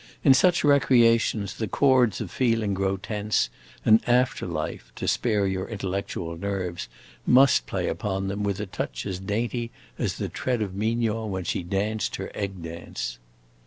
In such recreations the chords of feeling grow tense, and after life, to spare your intellectual nerves, must play upon them with a touch as dainty as the tread of Mignon when she danced her egg dance."